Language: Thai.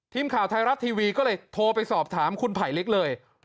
ทีมข่าวไทยรัฐทีวีก็เลยโทรไปสอบถามคุณไผลเล็กเลย